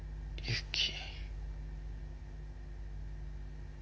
ユキ。